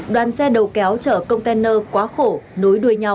đoàn xe đầu kéo chở container quá khổ nối đuôi nhau